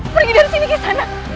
pergi dari sini kisanak